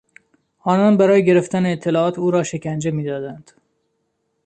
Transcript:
آنان برای گرفتن اطلاعات، او را شکنجه میدادند.